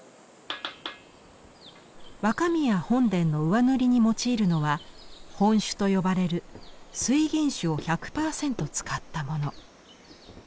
若宮本殿の上塗りに用いるのは「本朱」と呼ばれる水銀朱を１００％使ったもの。